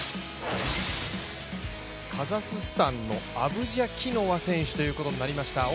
カザフスタンのアブジャキノワ選手ということになりました。